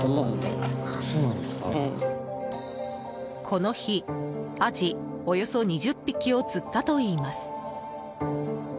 この日、アジおよそ２０匹を釣ったといいます。